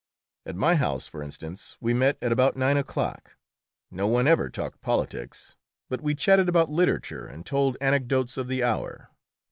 At my house, for instance, we met at about nine o'clock. No one ever talked politics, but we chatted about literature and told anecdotes of the hour.